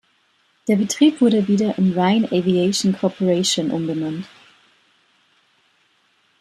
Der Betrieb wurde wieder in "Ryan Aviation Corporation" umbenannt.